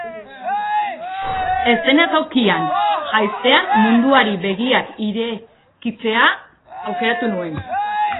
Eszenatokian jaistean munduari begiak irekitzea aukeratu nuen.